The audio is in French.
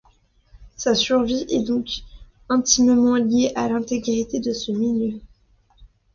Sa survie est donc intimement liée à l’intégrité de ce milieu.